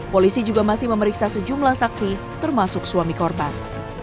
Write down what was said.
polisi juga masih memeriksa sejumlah saksi termasuk suami korban